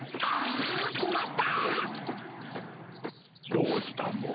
どうしたモ？